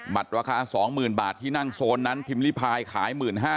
ราคา๒๐๐๐บาทที่นั่งโซนนั้นพิมพ์ริพายขาย๑๕๐๐